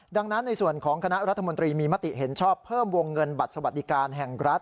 ดังนั้นในส่วนของคณะรัฐมนตรีมีมติเห็นชอบเพิ่มวงเงินบัตรสวัสดิการแห่งรัฐ